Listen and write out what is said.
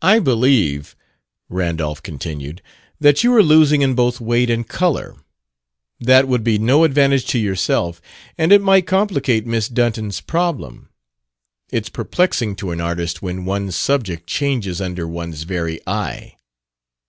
"I believe," Randolph continued, "that you are losing in both weight and color. That would be no advantage to yourself and it might complicate Miss Dunton's problem. It's perplexing to an artist when one's subject changes under one's very eye."